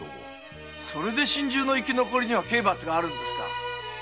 それで心中の生き残りには刑罰があるんですか？